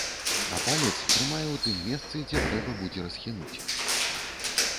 А палец трымае ў тым месцы, дзе трэба будзе расхінуць.